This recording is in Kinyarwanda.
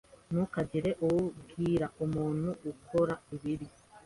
Ntukagire uwo ubwira umuntu dukora ibi.